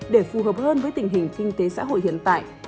để phù hợp hơn với tình hình kinh tế xã hội hiện tại